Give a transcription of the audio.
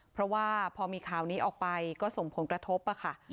เพราะว่าพอมีข่าวนี้ออกไปก็ส่งผลกระทบค่ะ